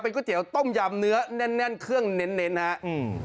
เป็นก๋วยเตี๋ยวต้มยำเนื้อแน่นเครื่องเน้นครับ